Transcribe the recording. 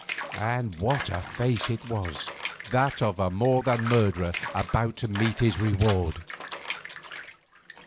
And what a face it was; that of a more than murderer about to meet his reward!